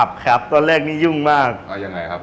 ตับครับตอนแรกนี้ยุ่งมากอ๋อยังไงครับผม